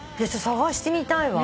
探してみたいわ。